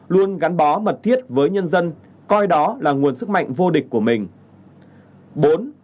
luôn gắn bó mật thiết với nhân dân coi đó là nguồn sức mạnh vô địch của mình